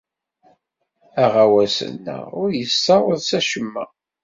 Aɣawas-nneɣ ur yessawaḍ s acemma.